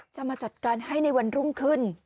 มาจัดการให้ในวันรุ่งขึ้น